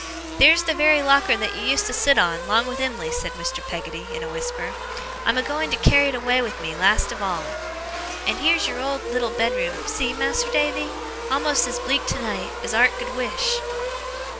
'Theer's the very locker that you used to sit on, 'long with Em'ly!' said Mr. Peggotty, in a whisper. 'I'm a going to carry it away with me, last of all. And heer's your old little bedroom, see, Mas'r Davy! A'most as bleak tonight, as 'art could wish!